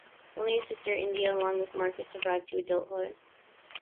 Only his sister Indiana along with Marcus survived to adulthood.